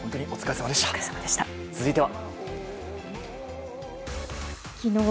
続いては。